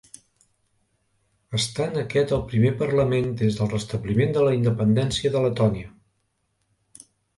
Estant aquest el primer parlament des del restabliment de la independència de Letònia.